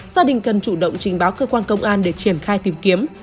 gia đình cần chủ động trình báo cơ quan công an để triển khai tìm kiếm